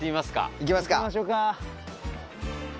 行きましょか。